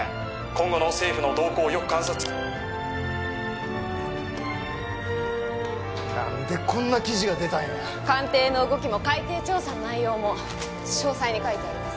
今後の政府の動向をよく観察何でこんな記事が出たんや官邸の動きも海底調査の内容も詳細に書いてあります